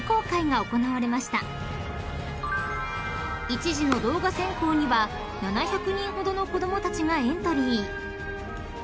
［一次の動画選考には７００人ほどの子供たちがエントリー］